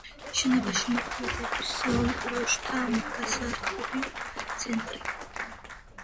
შენობაში მოქმედებს ბავშვთა გასართობი ცენტრი.